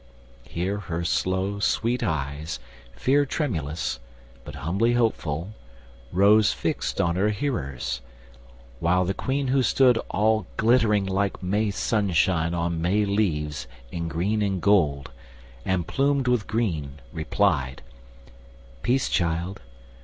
Here her slow sweet eyes Fear tremulous, but humbly hopeful, rose Fixt on her hearer's, while the Queen who stood All glittering like May sunshine on May leaves In green and gold, and plumed with green replied, "Peace, child!